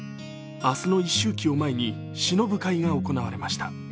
明日の一周忌を前にしのぶ会が行われました。